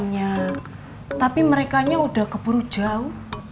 tanya tapi mereka nya udah ke purwajaw